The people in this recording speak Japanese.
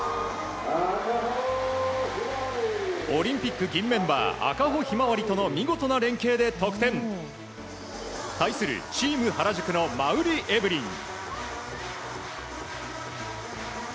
オリンピック銀メンバー赤穂ひまわりとの見事な連係で得点。対するＴｅａｍ原宿の馬瓜エブリン。